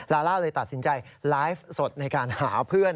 ลาล่าเลยตัดสินใจไลฟ์สดในการหาเพื่อน